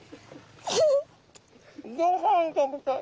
ごはん食べたい。